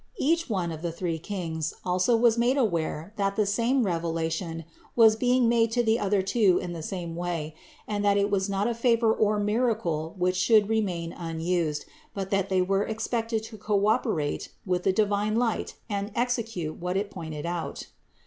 Each one of the three Kings also was made aware that the same revelation was being made to the other two in the same way ; and that it was not a favor or miracle which should remain unused, but that they were expected to co operate with the divine light and execute what it pointed out.